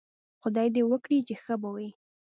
خدای دې وکړي چې ښه به وئ